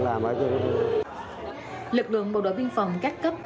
lực lượng bộ đội biên phòng các cấp